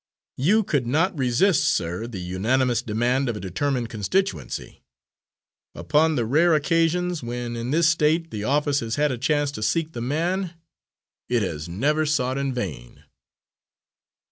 "You could not resist, sir, the unanimous demand of a determined constituency. Upon the rare occasions when, in this State, the office has had a chance to seek the man, it has never sought in vain."